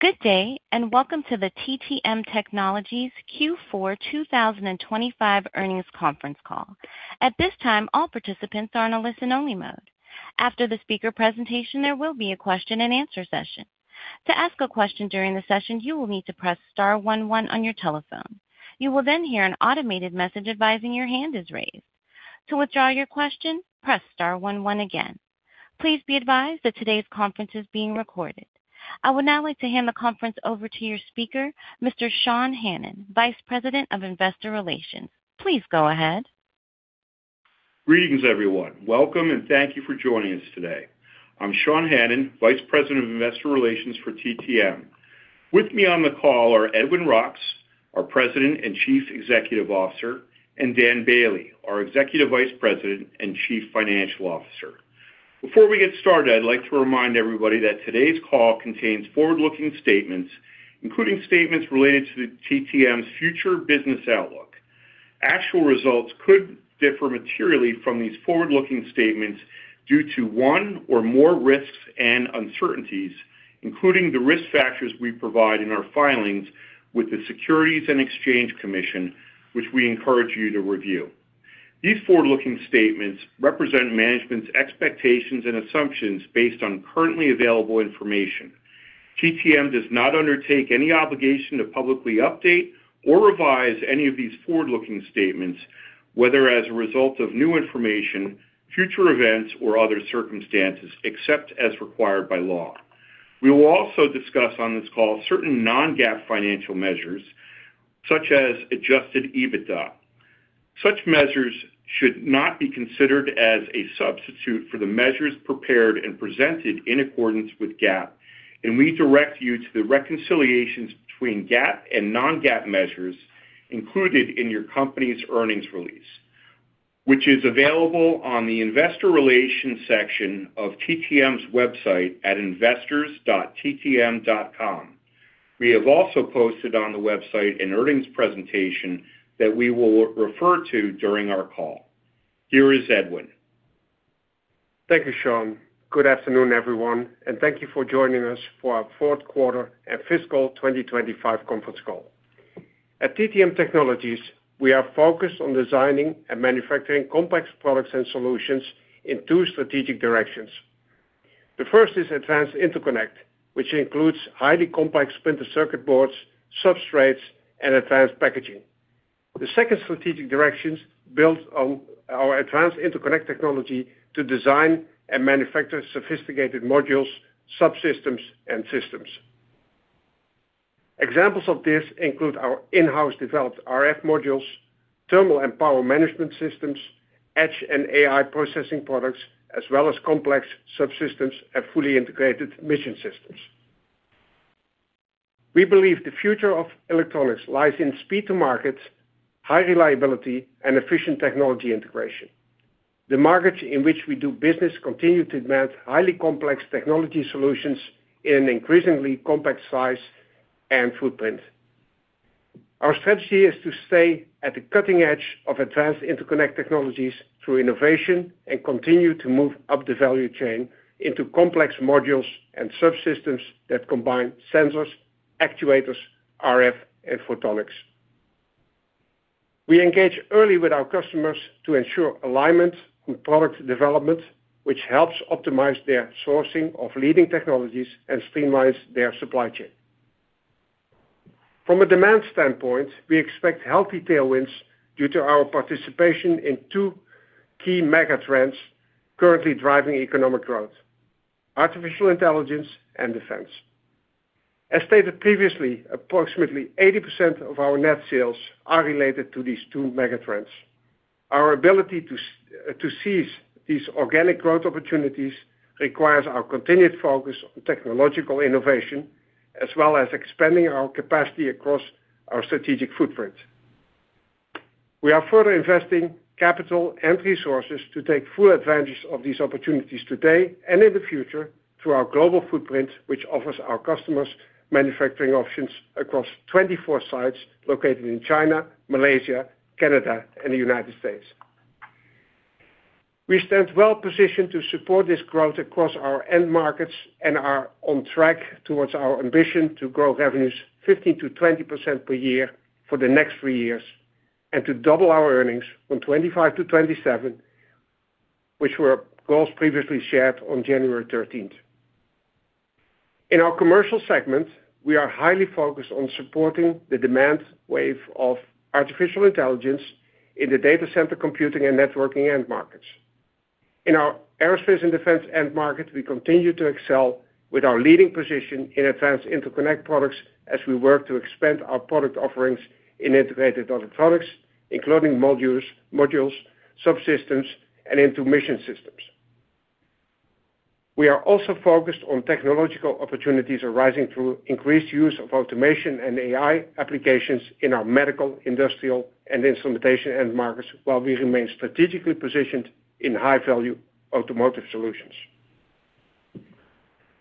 Good day and welcome to the TTM Technologies Q4 2025 earnings conference call. At this time, all participants are in a listen-only mode. After the speaker presentation, there will be a question-and-answer session. To ask a question during the session, you will need to press star one one on your telephone. You will then hear an automated message advising your hand is raised. To withdraw your question, press star one one again. Please be advised that today's conference is being recorded. I would now like to hand the conference over to your speaker, Mr. Sean Hannan, Vice President of Investor Relations. Please go ahead. Greetings, everyone. Welcome and thank you for joining us today. I'm Sean Hannan, Vice President of Investor Relations for TTM. With me on the call are Edwin Roks, our President and Chief Executive Officer, and Dan Bailey, our Executive Vice President and Chief Financial Officer. Before we get started, I'd like to remind everybody that today's call contains forward-looking statements, including statements related to TTM's future business outlook. Actual results could differ materially from these forward-looking statements due to one or more risks and uncertainties, including the risk factors we provide in our filings with the Securities and Exchange Commission, which we encourage you to review. These forward-looking statements represent management's expectations and assumptions based on currently available information. TTM does not undertake any obligation to publicly update or revise any of these forward-looking statements, whether as a result of new information, future events, or other circumstances, except as required by law. We will also discuss on this call certain non-GAAP financial measures, such as Adjusted EBITDA. Such measures should not be considered as a substitute for the measures prepared and presented in accordance with GAAP, and we direct you to the reconciliations between GAAP and non-GAAP measures included in your company's earnings release, which is available on the Investor Relations section of TTM's website at investors.ttm.com. We have also posted on the website an earnings presentation that we will refer to during our call. Here is Edwin. Thank you, Sean. Good afternoon, everyone, and thank you for joining us for our fourth quarter and fiscal 2025 conference call. At TTM Technologies, we are focused on designing and manufacturing complex products and solutions in two strategic directions. The first is Advanced Interconnect, which includes highly complex printed circuit boards, substrates, and advanced packaging. The second strategic direction builds on our Advanced Interconnect technology to design and manufacture sophisticated modules, subsystems, and systems. Examples of this include our in-house developed RF modules, thermal and power management systems, edge and AI processing products, as well as complex subsystems and fully integrated mission systems. We believe the future of electronics lies in speed to markets, high reliability, and efficient technology integration. The market in which we do business continue to demand highly complex technology solutions in an increasingly compact size and footprint. Our strategy is to stay at the cutting edge of Advanced Interconnect technologies through innovation and continue to move up the value chain into complex modules and subsystems that combine sensors, actuators, RF, and photonics. We engage early with our customers to ensure alignment with product development, which helps optimize their sourcing of leading technologies and streamlines their supply chain. From a demand standpoint, we expect healthy tailwinds due to our participation in two key megatrends currently driving economic growth: artificial Intelligence and defense. As stated previously, approximately 80% of our net sales are related to these two megatrends. Our ability to seize these organic growth opportunities requires our continued focus on technological innovation, as well as expanding our capacity across our strategic footprint. We are further investing capital and resources to take full advantage of these opportunities today and in the future through our global footprint, which offers our customers manufacturing options across 24 sites located in China, Malaysia, Canada, and the United States. We stand well positioned to support this growth across our end markets and are on track towards our ambition to grow revenues 15%-20% per year for the next three years and to double our earnings from 2025 to 2027, which were goals previously shared on January 13th. In our commercial segment, we are highly focused on supporting the demand wave of artificial intelligence in the data center computing and networking end markets. In our aerospace and defense end market, we continue to excel with our leading position in Advanced Interconnect products as we work to expand our product offerings in integrated electronics, including modules, subsystems, and into mission systems. We are also focused on technological opportunities arising through increased use of automation and AI applications in our medical, industrial, and instrumentation end markets while we remain strategically positioned in high-value automotive solutions.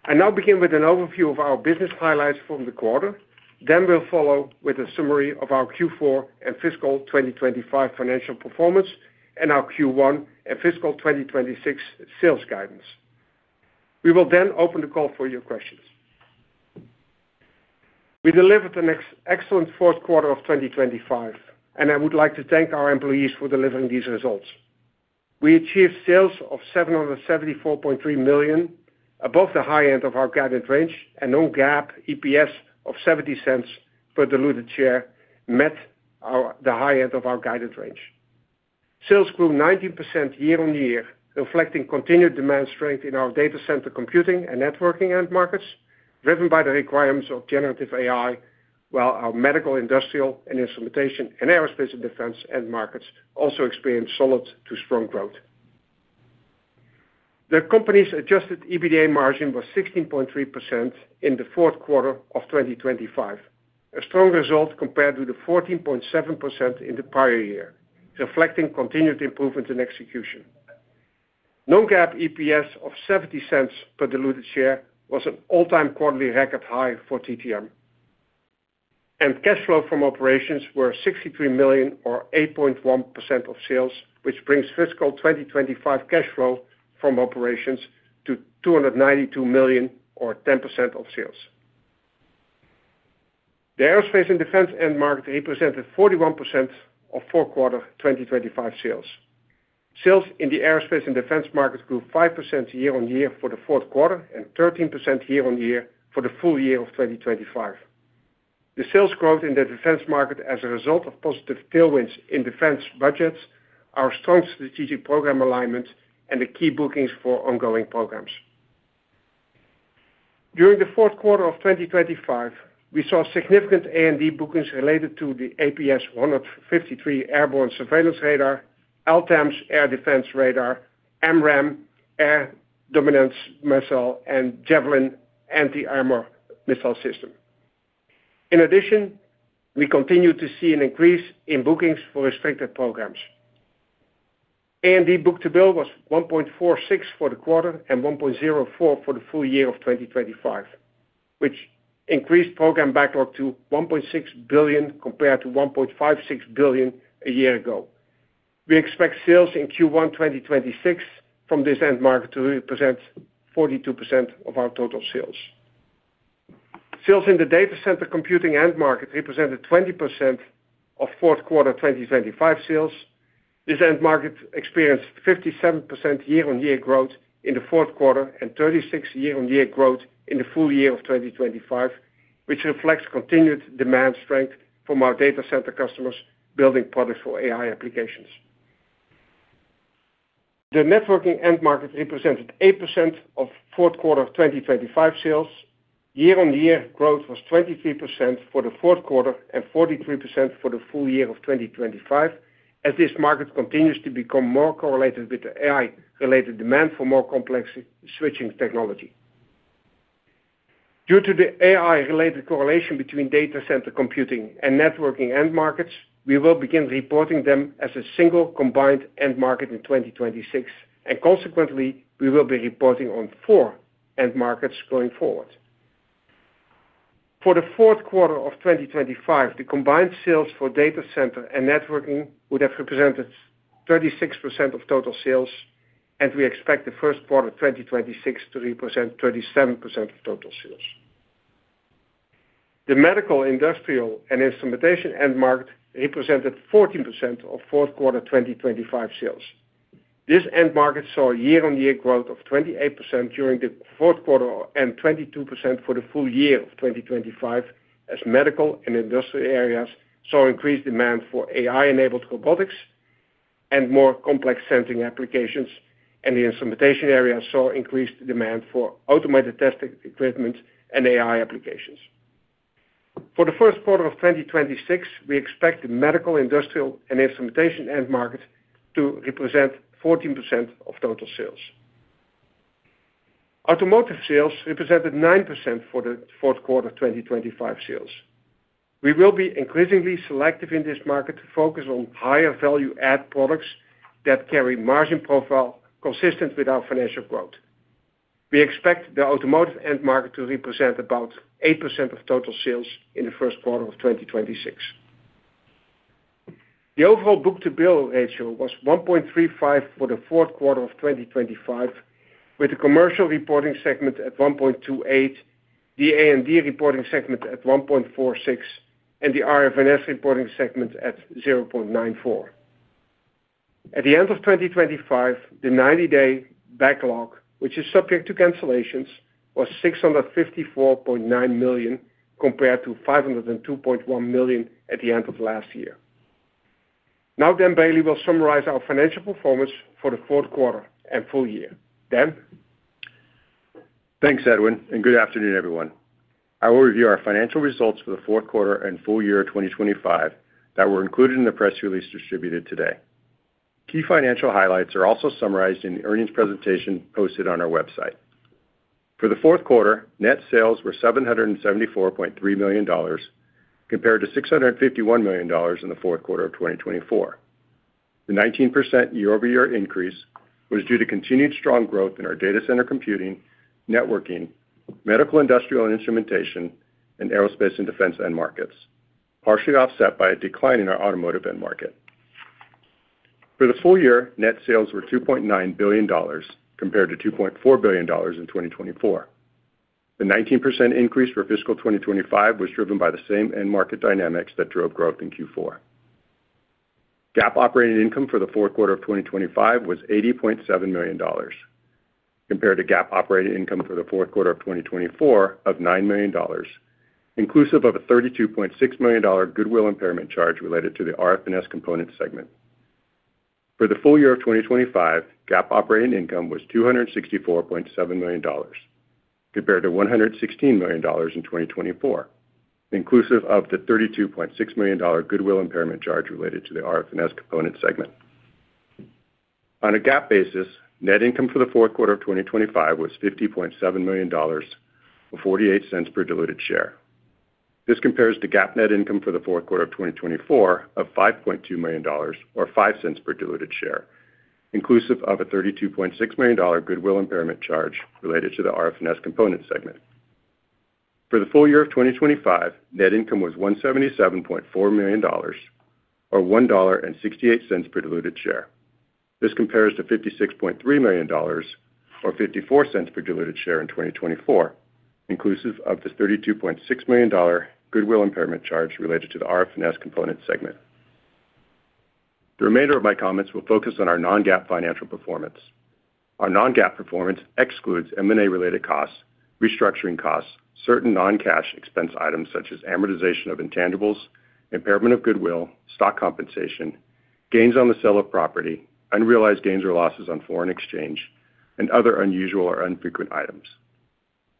I now begin with an overview of our business highlights from the quarter. Then we'll follow with a summary of our Q4 and fiscal 2025 financial performance and our Q1 and fiscal 2026 sales guidance. We will then open the call for your questions. We delivered an excellent fourth quarter of 2025, and I would like to thank our employees for delivering these results. We achieved sales of $774.3 million, above the high end of our guided range, and non-GAAP EPS of $0.70 per diluted share met the high end of our guided range. Sales grew 19% year-on-year, reflecting continued demand strength in our data center computing and networking end markets, driven by the requirements of generative AI, while our medical, industrial, and instrumentation and aerospace and defense end markets also experienced solid to strong growth. The company's Adjusted EBITDA margin was 16.3% in the fourth quarter of 2025, a strong result compared to the 14.7% in the prior year, reflecting continued improvements in execution. Non-GAAP EPS of $0.70 per diluted share was an all-time quarterly record high for TTM. Cash flow from operations were $63 million or 8.1% of sales, which brings fiscal 2025 cash flow from operations to $292 million or 10% of sales. The aerospace and defense end market represented 41% of fourth quarter 2025 sales. Sales in the aerospace and defense market grew 5% year-on-year for the fourth quarter and 13% year-on-year for the full year of 2025. The sales growth in the defense market as a result of positive tailwinds in defense budgets, our strong strategic program alignment, and the key bookings for ongoing programs. During the fourth quarter of 2025, we saw significant A&D bookings related to the AN/APS-153 airborne surveillance radar, LTAMDS air defense radar, AMRAAM air dominance missile, and Javelin anti-armor missile system. In addition, we continue to see an increase in bookings for restricted programs. A&D Book-to-Bill was 1.46 for the quarter and 1.04 for the full year of 2025, which increased program backlog to $1.6 billion compared to $1.56 billion a year ago. We expect sales in Q1 2026 from this end market to represent 42% of our total sales. Sales in the data center computing end market represented 20% of fourth quarter 2025 sales. This end market experienced 57% year-on-year growth in the fourth quarter and 36% year-on-year growth in the full year of 2025, which reflects continued demand strength from our data center customers building products for AI applications. The networking end market represented 8% of fourth quarter 2025 sales. Year-on-year growth was 23% for the fourth quarter and 43% for the full year of 2025 as this market continues to become more correlated with the AI-related demand for more complex switching technology. Due to the AI-related correlation between data center computing and networking end markets, we will begin reporting them as a single combined end market in 2026, and consequently, we will be reporting on four end markets going forward. For the fourth quarter of 2025, the combined sales for data center and networking would have represented 36% of total sales, and we expect the first quarter 2026 to represent 37% of total sales. The medical, industrial, and instrumentation end market represented 14% of fourth quarter 2025 sales. This end market saw year-on-year growth of 28% during the fourth quarter and 22% for the full year of 2025 as medical and industrial areas saw increased demand for AI-enabled robotics and more complex sensing applications, and the instrumentation areas saw increased demand for automated testing equipment and AI applications. For the first quarter of 2026, we expect the medical, industrial, and instrumentation end market to represent 14% of total sales. Automotive sales represented 9% for the fourth quarter 2025 sales. We will be increasingly selective in this market to focus on higher-value-add products that carry margin profile consistent with our financial growth. We expect the automotive end market to represent about 8% of total sales in the first quarter of 2026. The overall book-to-bill ratio was 1.35 for the fourth quarter of 2025, with the commercial reporting segment at 1.28, the A&D reporting segment at 1.46, and the RF&S reporting segment at 0.94. At the end of 2025, the 90-day backlog, which is subject to cancellations, was $654.9 million compared to $502.1 million at the end of last year. Now Dan Bailey will summarize our financial performance for the fourth quarter and full year. Dan? Thanks, Edwin, and good afternoon, everyone. I will review our financial results for the fourth quarter and full year of 2025 that were included in the press release distributed today. Key financial highlights are also summarized in the earnings presentation posted on our website. For the fourth quarter, net sales were $774.3 million compared to $651 million in the fourth quarter of 2024. The 19% year-over-year increase was due to continued strong growth in our data center computing, networking, medical, industrial, and instrumentation, and aerospace and defense end markets, partially offset by a decline in our automotive end market. For the full year, net sales were $2.9 billion compared to $2.4 billion in 2024. The 19% increase for fiscal 2025 was driven by the same end market dynamics that drove growth in Q4. GAAP operating income for the fourth quarter of 2025 was $80.7 million compared to GAAP operating income for the fourth quarter of 2024 of $9 million, inclusive of a $32.6 million goodwill impairment charge related to the RF&S component segment. For the full year of 2025, GAAP operating income was $264.7 million compared to $116 million in 2024, inclusive of the $32.6 million goodwill impairment charge related to the RF&S component segment. On a GAAP basis, net income for the fourth quarter of 2025 was $50.7 million or $0.48 per diluted share. This compares to GAAP net income for the fourth quarter of 2024 of $5.2 million or $0.05 per diluted share, inclusive of a $32.6 million goodwill impairment charge related to the RF&S component segment. For the full year of 2025, net income was $177.4 million or $1.68 per diluted share. This compares to $56.3 million or $0.54 per diluted share in 2024, inclusive of the $32.6 million goodwill impairment charge related to the RF components segment. The remainder of my comments will focus on our Non-GAAP financial performance. Our Non-GAAP performance excludes M&A-related costs, restructuring costs, certain non-cash expense items such as amortization of intangibles, impairment of goodwill, stock compensation, gains on the sale of property, unrealized gains or losses on foreign exchange, and other unusual or infrequent items.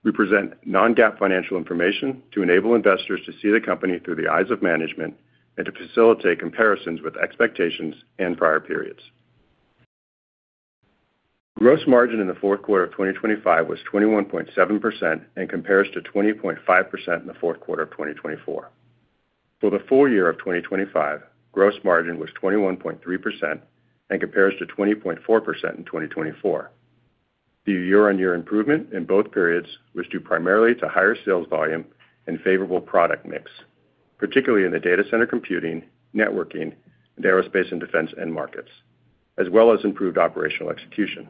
We present Non-GAAP financial information to enable investors to see the company through the eyes of management and to facilitate comparisons with expectations and prior periods. Gross margin in the fourth quarter of 2025 was 21.7% and compares to 20.5% in the fourth quarter of 2024. For the full year of 2025, gross margin was 21.3% and compares to 20.4% in 2024. The year-on-year improvement in both periods was due primarily to higher sales volume and favorable product mix, particularly in the data center computing, networking, and aerospace and defense end markets, as well as improved operational execution.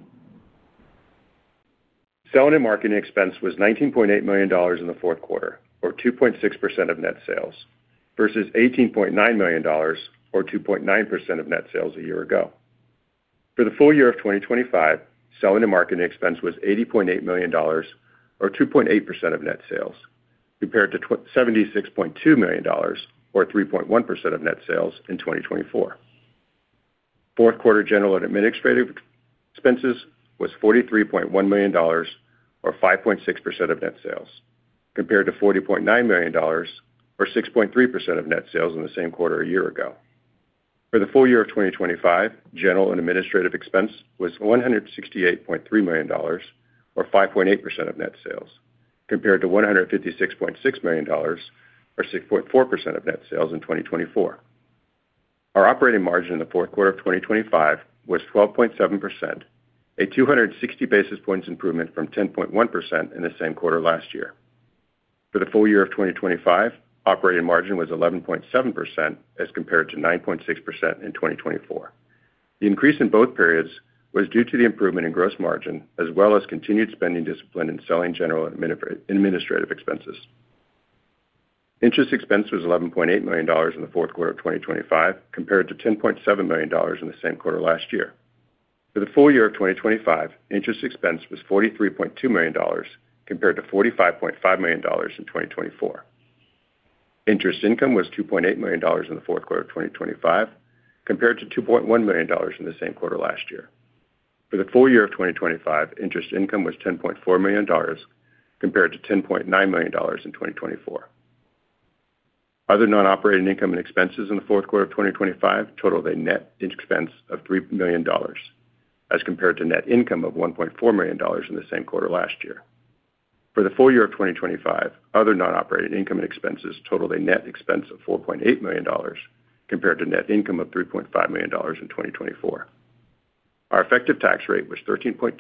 Selling and marketing expense was $19.8 million in the fourth quarter or 2.6% of net sales versus $18.9 million or 2.9% of net sales a year ago. For the full year of 2025, selling and marketing expense was $80.8 million or 2.8% of net sales compared to $76.2 million or 3.1% of net sales in 2024. Fourth quarter general and administrative expenses was $43.1 million or 5.6% of net sales compared to $40.9 million or 6.3% of net sales in the same quarter a year ago. For the full year of 2025, general and administrative expense was $168.3 million or 5.8% of net sales compared to $156.6 million or 6.4% of net sales in 2024. Our operating margin in the fourth quarter of 2025 was 12.7%, a 260 basis points improvement from 10.1% in the same quarter last year. For the full year of 2025, operating margin was 11.7% as compared to 9.6% in 2024. The increase in both periods was due to the improvement in gross margin as well as continued spending discipline in selling general and administrative expenses. Interest expense was $11.8 million in the fourth quarter of 2025 compared to $10.7 million in the same quarter last year. For the full year of 2025, interest expense was $43.2 million compared to $45.5 million in 2024. Interest income was $2.8 million in the fourth quarter of 2025 compared to $2.1 million in the same quarter last year. For the full year of 2025, interest income was $10.4 million compared to $10.9 million in 2024. Other non-operating income and expenses in the fourth quarter of 2025 totaled a net expense of $3 million as compared to net income of $1.4 million in the same quarter last year. For the full year of 2025, other non-operating income and expenses totaled a net expense of $4.8 million compared to net income of $3.5 million in 2024. Our effective tax rate was 13.2%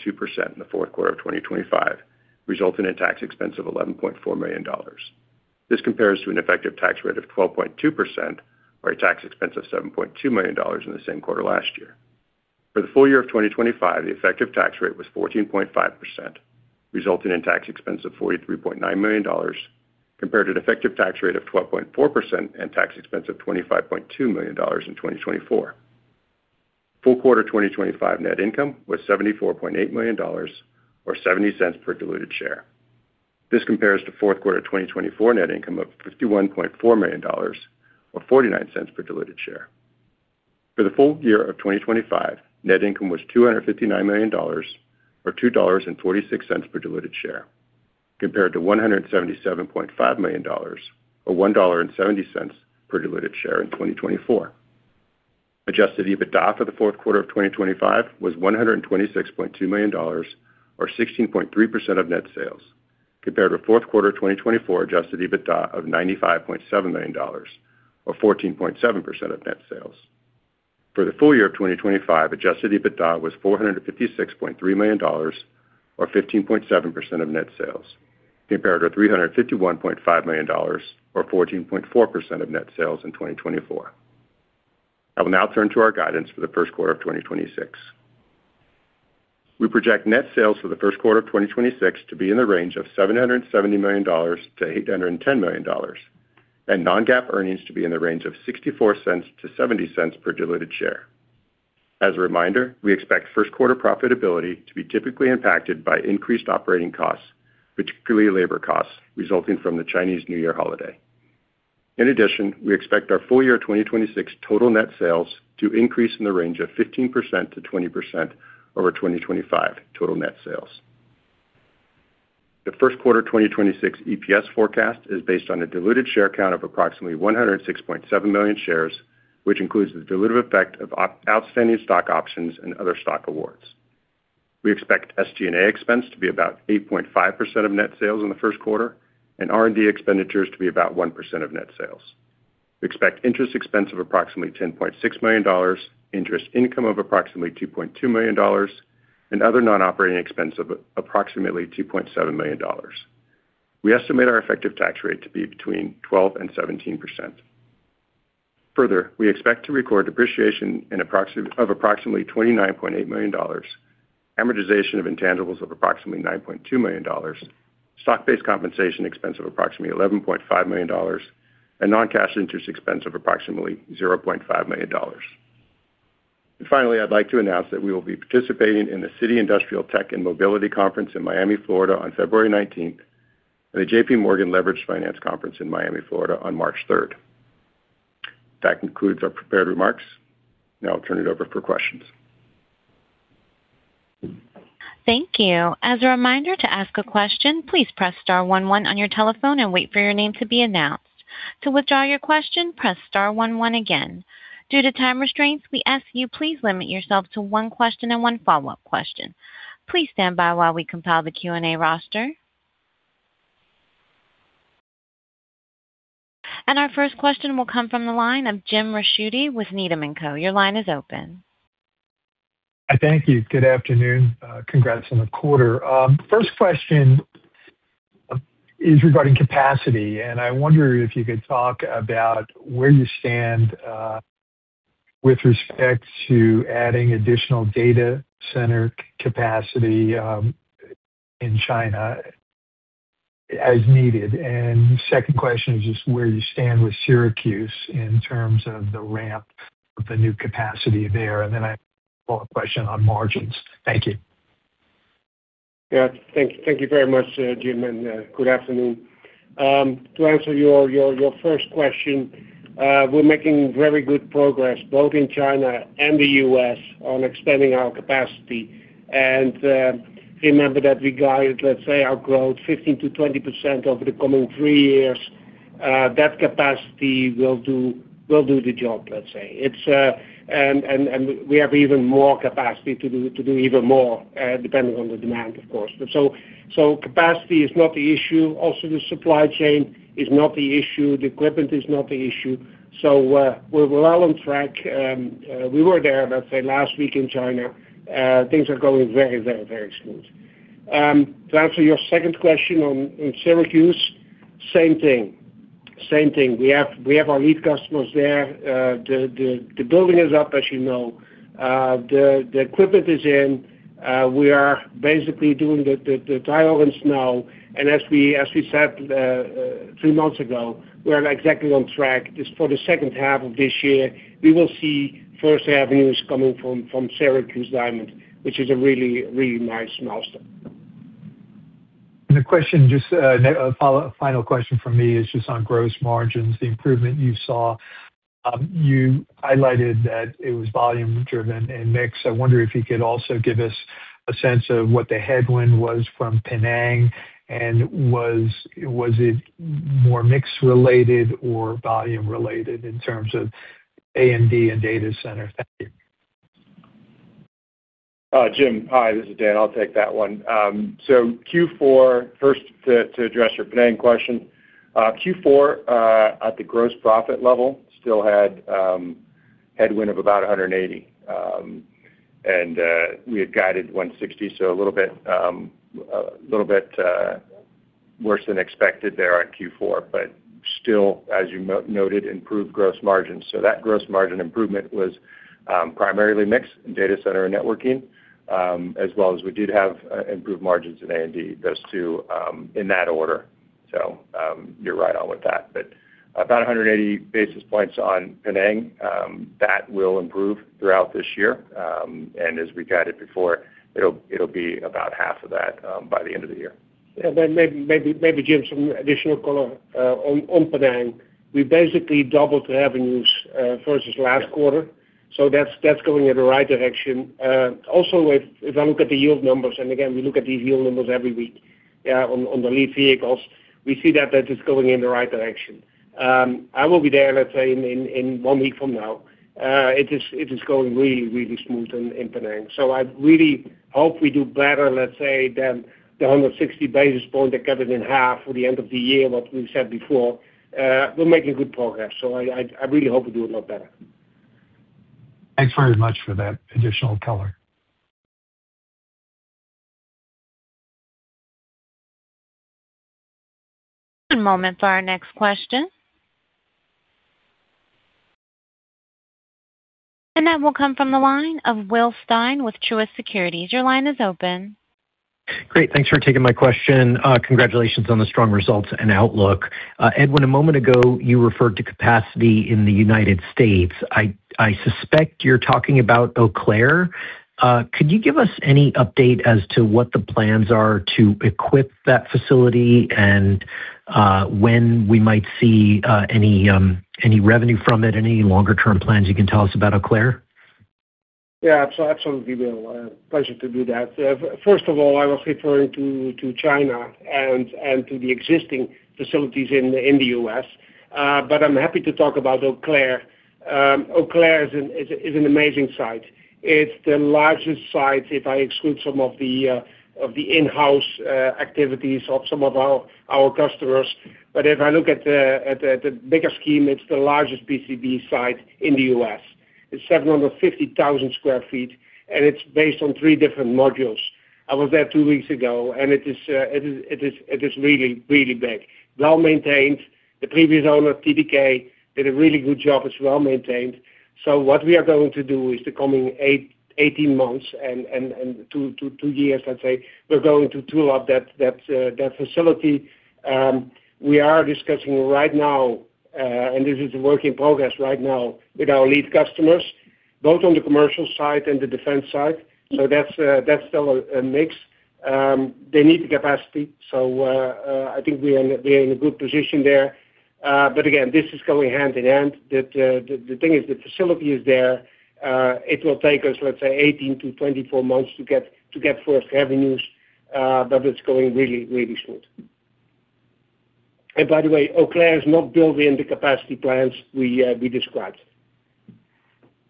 in the fourth quarter of 2025, resulting in tax expense of $11.4 million. This compares to an effective tax rate of 12.2% or a tax expense of $7.2 million in the same quarter last year. For the full year of 2025, the effective tax rate was 14.5%, resulting in tax expense of $43.9 million compared to an effective tax rate of 12.4% and tax expense of $25.2 million in 2024. Fourth quarter 2025 net income was $74.8 million or $0.70 per diluted share. This compares to fourth quarter 2024 net income of $51.4 million or $0.49 per diluted share. For the full year of 2025, net income was $259 million or $2.46 per diluted share compared to $177.5 million or $1.70 per diluted share in 2024. Adjusted EBITDA for the fourth quarter of 2025 was $126.2 million or 16.3% of net sales compared to fourth quarter 2024 Adjusted EBITDA of $95.7 million or 14.7% of net sales. For the full year of 2025, adjusted EBITDA was $456.3 million or 15.7% of net sales compared to $351.5 million or 14.4% of net sales in 2024. I will now turn to our guidance for the first quarter of 2026. We project net sales for the first quarter of 2026 to be in the range of $770 million-$810 million and non-GAAP earnings to be in the range of $0.64-$0.70 per diluted share. As a reminder, we expect first quarter profitability to be typically impacted by increased operating costs, particularly labor costs resulting from the Chinese New Year holiday. In addition, we expect our full year 2026 total net sales to increase in the range of 15%-20% over 2025 total net sales. The first quarter 2026 EPS forecast is based on a diluted share count of approximately 106.7 million shares, which includes the dilutive effect of outstanding stock options and other stock awards. We expect SG&A expense to be about 8.5% of net sales in the first quarter and R&D expenditures to be about 1% of net sales. We expect interest expense of approximately $10.6 million, interest income of approximately $2.2 million, and other non-operating expense of approximately $2.7 million. We estimate our effective tax rate to be between 12% and 17%. Further, we expect to record depreciation of approximately $29.8 million, amortization of intangibles of approximately $9.2 million, stock-based compensation expense of approximately $11.5 million, and non-cash interest expense of approximately $0.5 million. Finally, I'd like to announce that we will be participating in the Citi Industrial Tech and Mobility Conference in Miami, Florida, on February 19th, and the JPMorgan Leveraged Finance Conference in Miami, Florida, on March 3rd. That concludes our prepared remarks. Now I'll turn it over for questions. Thank you. As a reminder, to ask a question, please press star one one on your telephone and wait for your name to be announced. To withdraw your question, press star one one again. Due to time restraints, we ask that you please limit yourself to one question and one follow-up question. Please stand by while we compile the Q&A roster. Our first question will come from the line of Jim Ricchiuti with Needham & Co. Your line is open. Thank you. Good afternoon. Congrats on the quarter. First question is regarding capacity, and I wonder if you could talk about where you stand with respect to adding additional data center capacity in China as needed. Second question is just where you stand with Syracuse in terms of the ramp of the new capacity there. Then I have a follow-up question on margins. Thank you. Yeah. Thank you very much, Jim. Good afternoon. To answer your first question, we're making very good progress both in China and the U.S. on extending our capacity. Remember that we guided, let's say, our growth 15%-20% over the coming three years. That capacity will do the job, let's say. We have even more capacity to do even more depending on the demand, of course. So capacity is not the issue. Also, the supply chain is not the issue. The equipment is not the issue. So we're well on track. We were there, let's say, last week in China. Things are going very, very, very smooth. To answer your second question on Syracuse, same thing. Same thing. We have our lead customers there. The building is up, as you know. The equipment is in. We are basically doing the tie-ins now. As we said three months ago, we're exactly on track. For the second half of this year, we will see First Avenues coming from Syracuse Diamond, which is a really, really nice milestone. A question, just a final question from me is just on gross margins, the improvement you saw. You highlighted that it was volume-driven and mix. I wonder if you could also give us a sense of what the headwind was from Penang. Was it more mix-related or volume-related in terms of A&D and data center? Thank you. Jim, hi. This is Dan. I'll take that one. So Q4, first to address your Penang question, Q4, at the gross profit level, still had headwind of about 180. And we had guided 160, so a little bit worse than expected there on Q4, but still, as you noted, improved gross margins. So that gross margin improvement was primarily mixed, data center and networking, as well as we did have improved margins in A&D, those two, in that order. So you're right on with that. But about 180 basis points on Penang, that will improve throughout this year. And as we guided before, it'll be about half of that by the end of the year. Yeah. Maybe, Jim, some additional color on Penang. We basically doubled revenues versus last quarter. So that's going in the right direction. Also, if I look at the yield numbers and again, we look at these yield numbers every week on the lead vehicles, we see that that is going in the right direction. I will be there, let's say, in one week from now. It is going really, really smooth in Penang. So I really hope we do better, let's say, than the 160 basis point that cut it in half for the end of the year, what we said before. We're making good progress. So I really hope we do a lot better. Thanks very much for that additional color. One moment for our next question. That will come from the line of Will Stein with Truist Securities. Your line is open. Great. Thanks for taking my question. Congratulations on the strong results and outlook. Edwin, a moment ago, you referred to capacity in the United States. I suspect you're talking about Eau Claire. Could you give us any update as to what the plans are to equip that facility and when we might see any revenue from it, any longer-term plans you can tell us about Eau Claire? Yeah. Absolutely. It will be a pleasure to do that. First of all, I was referring to China and to the existing facilities in the U.S. But I'm happy to talk about Eau Claire. Eau Claire is an amazing site. It's the largest site, if I exclude some of the in-house activities of some of our customers. But if I look at the bigger scheme, it's the largest PCB site in the U.S. It's 750,000 sq ft, and it's based on three different modules. I was there two weeks ago, and it is really, really big, well maintained. The previous owner, TDK, did a really good job. It's well maintained. So what we are going to do is the coming 18 months and two years, let's say, we're going to tool up that facility. We are discussing right now, and this is a work in progress right now with our lead customers, both on the commercial side and the defense side. So that's still a mix. They need the capacity. So I think we are in a good position there. But again, this is going hand in hand. The thing is, the facility is there. It will take us, let's say, 18-24 months to get first revenues, but it's going really, really smooth. And by the way, Eau Claire is not built in the capacity plans we described.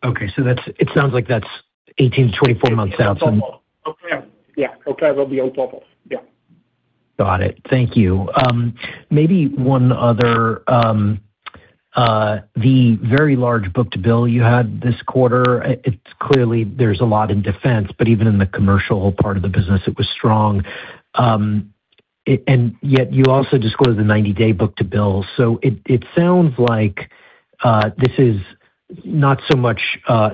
Okay. So it sounds like that's 18-24 months out. Yeah. Eau Claire will be on top of. Yeah. Got it. Thank you. Maybe one other, the very large book-to-bill you had this quarter. Clearly, there's a lot in defense, but even in the commercial part of the business, it was strong. And yet you also disclosed the 90-day book-to-bill. So it sounds like this is not so much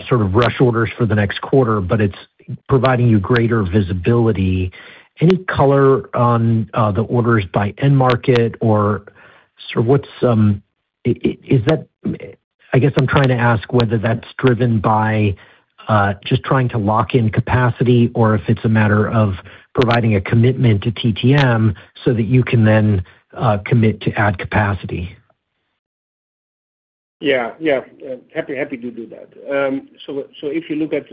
sort of rush orders for the next quarter, but it's providing you greater visibility. Any color on the orders by end market, or sort of what's I guess I'm trying to ask whether that's driven by just trying to lock in capacity or if it's a matter of providing a commitment to TTM so that you can then commit to add capacity. Yeah. Yeah. Happy to do that. So if you look at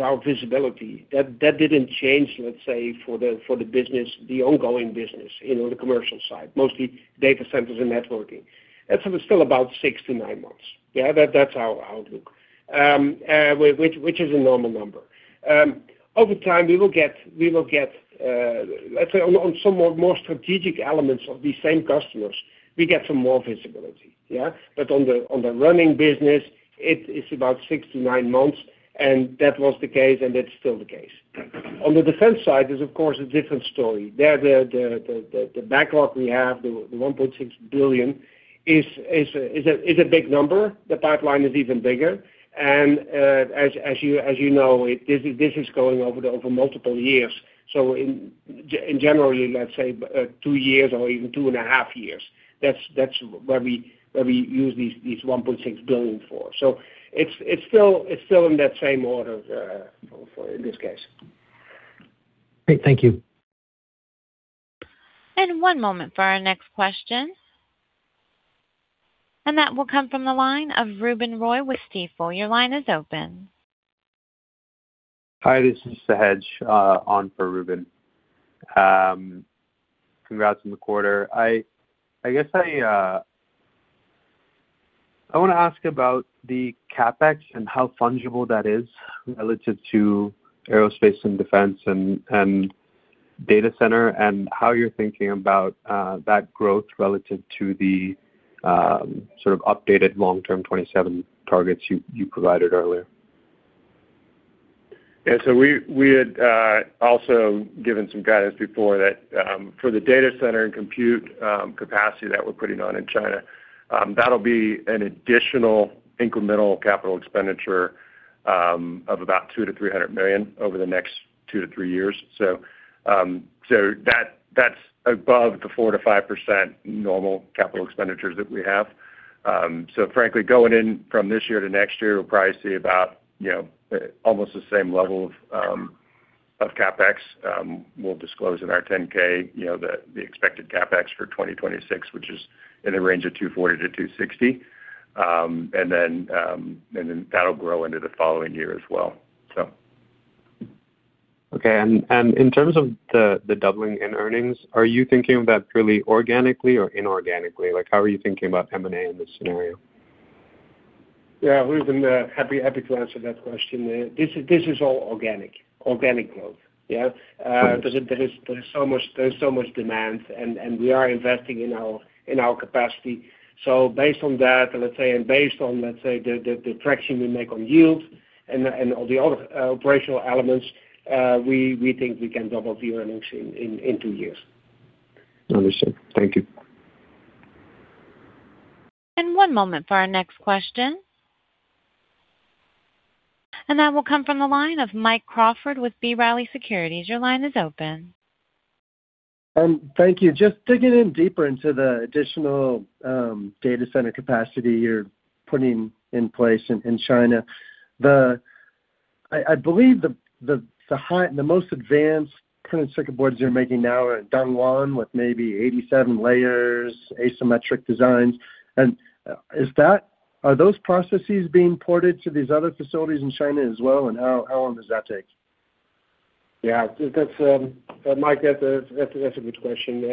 our visibility, that didn't change, let's say, for the business, the ongoing business, the commercial side, mostly data centers and networking. That's still about six to nine months. Yeah? That's our outlook, which is a normal number. Over time, we will get let's say, on some more strategic elements of these same customers, we get some more visibility. Yeah? But on the running business, it's about six to nine months. And that was the case, and that's still the case. On the defense side is, of course, a different story. The backlog we have, the $1.6 billion, is a big number. The pipeline is even bigger. And as you know, this is going over multiple years. So in generally, let's say, two years or even 2.5 years, that's where we use these $1.6 billion for. It's still in that same order in this case. Great. Thank you. One moment for our next question. That will come from the line of Ruben Roy with Stifel. Your line is open. Hi. This is the line open for Ruben. Congrats on the quarter. I guess I want to ask about the CapEx and how fungible that is relative to aerospace and defense and data center and how you're thinking about that growth relative to the sort of updated long-term 27 targets you provided earlier. Yeah. So we had also given some guidance before that for the data center and compute capacity that we're putting on in China, that'll be an additional incremental capital expenditure of about $200 million-$300 million over the next two to three years. So that's above the 4%-5% normal capital expenditures that we have. So frankly, going in from this year to next year, we'll probably see about almost the same level of CapEx. We'll disclose in our 10-K the expected CapEx for 2026, which is in the range of $240 million-$260 million. And then that'll grow into the following year as well, so. Okay. In terms of the doubling in earnings, are you thinking of that purely organically or inorganically? How are you thinking about M&A in this scenario? Yeah. Ruben, happy to answer that question. This is all organic growth. Yeah? Because there is so much demand, and we are investing in our capacity. So based on that, let's say, and based on, let's say, the traction we make on yield and all the other operational elements, we think we can double the earnings in two years. Understood. Thank you. One moment for our next question. That will come from the line of Mike Crawford with B. Riley Securities. Your line is open. Thank you. Just digging in deeper into the additional data center capacity you're putting in place in China, I believe the most advanced printed circuit boards you're making now are Dongguan with maybe 87 layers, asymmetric designs. Are those processes being ported to these other facilities in China as well, and how long does that take? Yeah. Mike, that's a good question.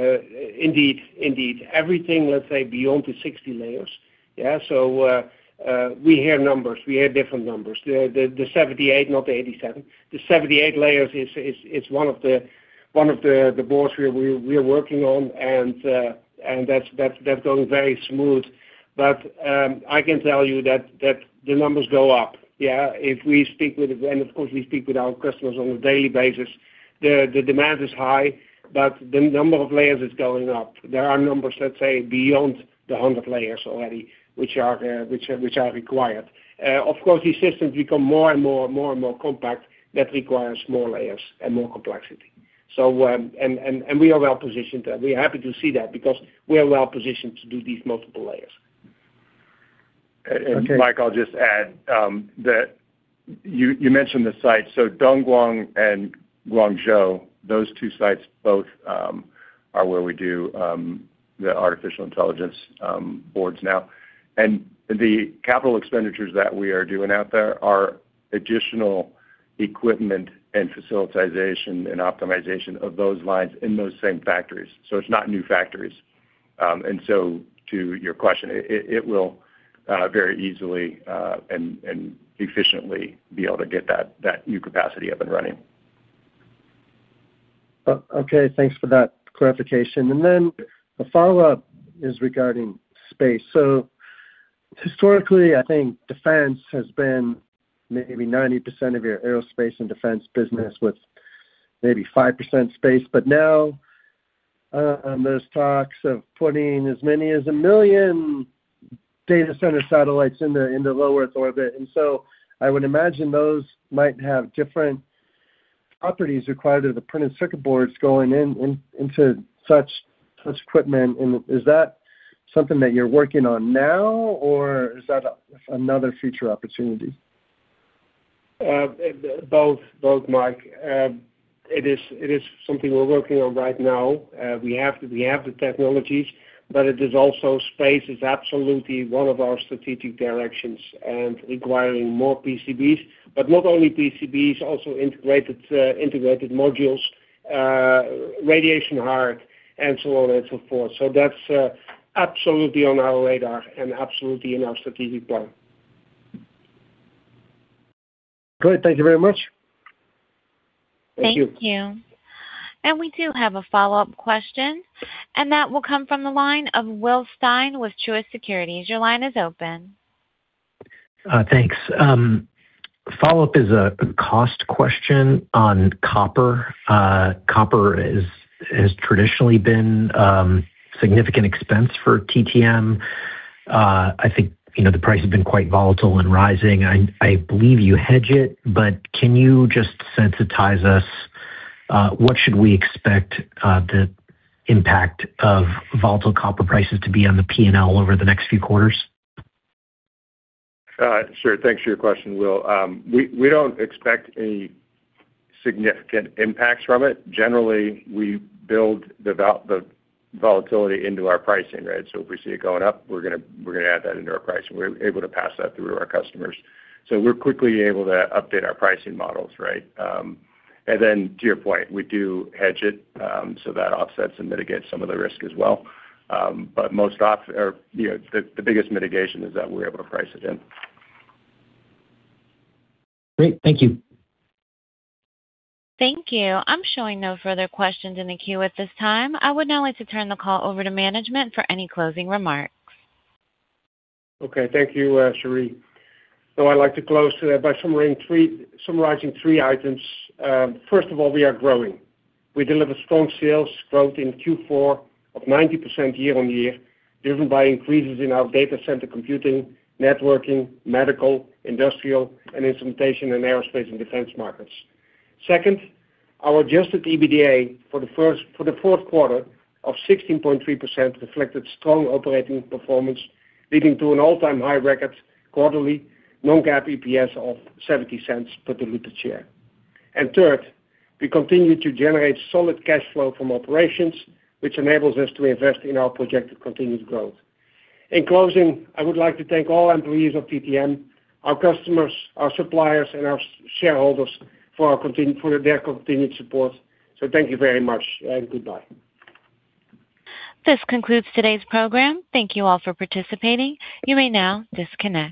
Indeed. Indeed. Everything, let's say, beyond the 60 layers. Yeah? So we hear numbers. We hear different numbers. The 78, not the 87. The 78 layers is one of the boards we're working on, and that's going very smooth. But I can tell you that the numbers go up. Yeah? If we speak with and of course, we speak with our customers on a daily basis. The demand is high, but the number of layers is going up. There are numbers, let's say, beyond the 100 layers already, which are required. Of course, these systems become more and more and more and more compact. That requires more layers and more complexity. And we are well positioned there. We're happy to see that because we are well positioned to do these multiple layers. Mike, I'll just add that you mentioned the site. Dongguan and Guangzhou, those two sites both are where we do the artificial intelligence boards now. The capital expenditures that we are doing out there are additional equipment and facilitation and optimization of those lines in those same factories. It's not new factories. To your question, it will very easily and efficiently be able to get that new capacity up and running. Okay. Thanks for that clarification. And then a follow-up is regarding space. So historically, I think defense has been maybe 90% of your aerospace and defense business with maybe 5% space. But now, there's talks of putting as many as 1 million data center satellites in the low Earth orbit. And so I would imagine those might have different properties required of the printed circuit boards going into such equipment. And is that something that you're working on now, or is that another future opportunity? Both, Mike. It is something we're working on right now. We have the technologies, but it is also. Space is absolutely one of our strategic directions and requiring more PCBs, but not only PCBs, also integrated modules, radiation-hard, and so on and so forth. So that's absolutely on our radar and absolutely in our strategic plan. Great. Thank you very much. Thank you. Thank you. We do have a follow-up question, and that will come from the line of Will Stein with Truist Securities. Your line is open. Thanks. Follow-up is a cost question on copper. Copper has traditionally been a significant expense for TTM. I think the price has been quite volatile and rising. I believe you hedge it, but can you just sensitize us? What should we expect the impact of volatile copper prices to be on the P&L over the next few quarters? Sure. Thanks for your question, Will. We don't expect any significant impacts from it. Generally, we build the volatility into our pricing, right? So if we see it going up, we're going to add that into our pricing. We're able to pass that through to our customers. So we're quickly able to update our pricing models, right? And then to your point, we do hedge it so that offsets and mitigates some of the risk as well. But most of the biggest mitigation is that we're able to price it in. Great. Thank you. Thank you. I'm showing no further questions in the queue at this time. I would now like to turn the call over to management for any closing remarks. Okay. Thank you, Sherie. So I'd like to close by summarizing three items. First of all, we are growing. We deliver strong sales growth in Q4 of 90% year-on-year, driven by increases in our data center computing, networking, medical, industrial, and instrumentation in aerospace and defense markets. Second, our Adjusted EBITDA for the fourth quarter of 16.3% reflected strong operating performance, leading to an all-time high record quarterly non-GAAP EPS of $0.70 per diluted share. And third, we continue to generate solid cash flow from operations, which enables us to invest in our projected continued growth. In closing, I would like to thank all employees of TTM, our customers, our suppliers, and our shareholders for their continued support. So thank you very much, and goodbye. This concludes today's program. Thank you all for participating. You may now disconnect.